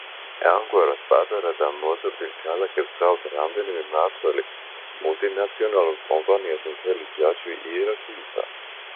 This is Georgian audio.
ამგვარად, პატარა და მოზრდილ ქალაქებს ჰყავთ რამდენიმე მმართველი, მულტინაციონალურ კომპანიებს მთელი ჯაჭვი იერარქიისა.